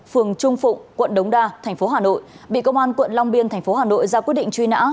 phường trung phụng quận đống đa tp hà nội bị công an quận long biên tp hà nội ra quyết định truy nã